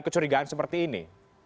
kecurigaan seperti ini